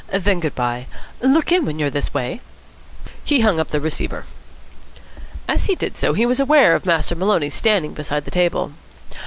Then good bye. Look in when you're this way." He hung up the receiver. As he did so, he was aware of Master Maloney standing beside the table.